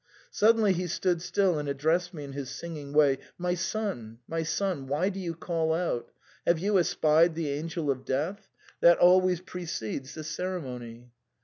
Suddenly he stood still and addressed me in his singing way, " My son ! my son ! why do you call out ? Have you espied the angel of death ? That always precedes the ceremony."